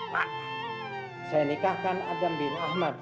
pak saya nikahkan adam bin ahmad